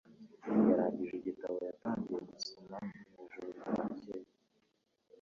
yarangije igitabo yatangiye gusoma mwijoro ryakeye